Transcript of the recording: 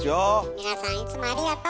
皆さんいつもありがとう。